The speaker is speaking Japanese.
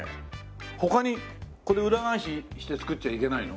他にこれ裏返しして作っちゃいけないの？